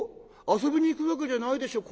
遊びに行くわけじゃないでしょ？